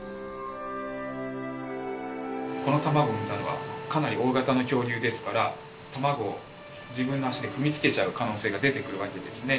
この卵を産んだのはかなり大型な恐竜ですから卵を自分の足で踏みつけちゃう可能性が出てくるわけですね。